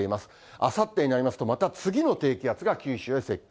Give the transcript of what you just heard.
あさってになりますとまた次の低気圧が九州へ接近。